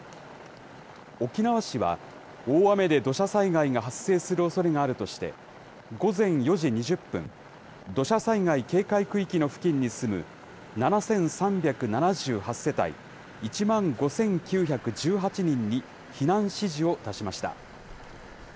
沖縄市は、大雨で土砂災害が発生するおそれがあるとして、午前４時２０分、土砂災害警戒区域の付近に住む、７３７８世帯１万５９１８人に避難指示を出しました。